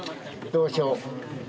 どうしよう。